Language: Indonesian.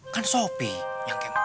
kan sopi yang kemet